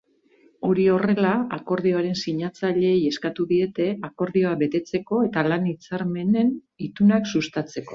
Hori horrela, akordioaren sinatzaileei eskatu diete akordioa betetzeko eta lan-hitzarmenen itunak sustatzeko.